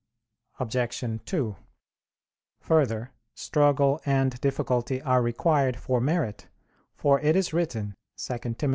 Obj. 2: Further, struggle and difficulty are required for merit; for it is written (2 Tim.